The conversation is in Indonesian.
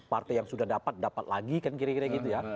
partai yang sudah dapat dapat lagi kan kira kira gitu ya